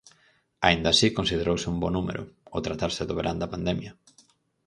Aínda así considerouse un bo número, ao tratarse do verán da pandemia.